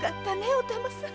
お玉さん！